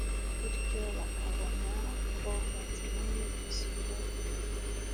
bityo bakabona ko bakeneye kwisubiraho